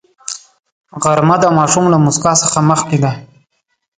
غرمه د ماشوم له موسکا څخه مخکې ده